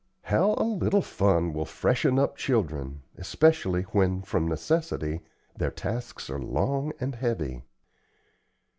How a little fun will freshen up children, especially when, from necessity, their tasks are long and heavy!